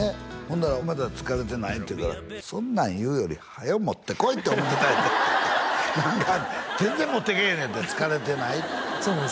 ほんならまた「疲れてない？」って言うからそんなん言うより早よ持ってこいって思ってたんやて何か全然持ってけえへんねんてそうなんですよ